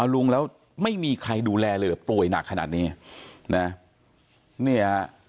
ลุงแล้วไม่มีใครดูแลเลยป่วยหนักขนาดนี้